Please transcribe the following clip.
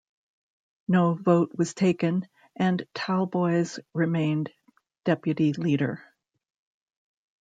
No vote was taken, and Talboys remained deputy leader.